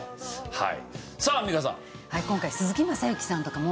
はい。